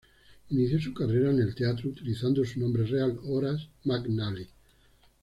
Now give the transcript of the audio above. Inició su carrera en el teatro utilizando su nombre real Horace McNally.